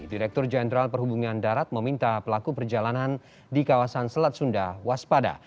direktur jenderal perhubungan darat meminta pelaku perjalanan di kawasan selat sunda waspada